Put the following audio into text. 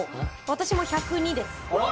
私も１０２ですあっ